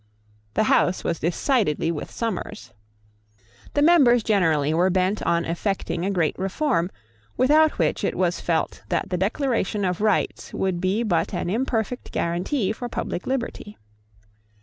The House was decidedly with Somers. The members generally were bent on effecting a great reform, without which it was felt that the Declaration of Rights would be but an imperfect guarantee for public liberty.